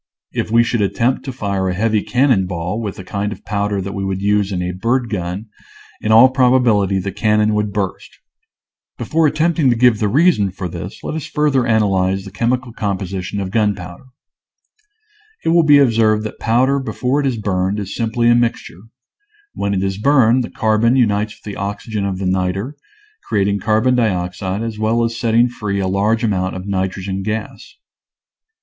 If we should attempt to fire a heavy cannon ball with the kind of powder that we would use in a bird gun, in all probability the cannon would burst. Before attempting to give the reason for / I . Original from UNIVERSITY OF WISCONSIN Eiplostvee : (Sunpow&er. 221 this let us further analyze the chemical com position of gunpowder. It will be observed that powder before it is burned is simply a mixture; when it is burned the carbon unites with the oxygen of the niter, creating carbon dioxide as well as setting free a large amount of nitrogen gas.